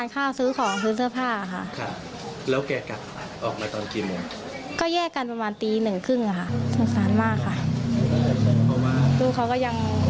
คือเขาก็ยังอร่อย